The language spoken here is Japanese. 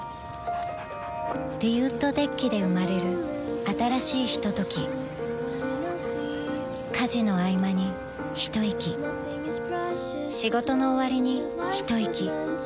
リウッドデッキで生まれる新しいひととき家事のあいまにひといき仕事のおわりにひといき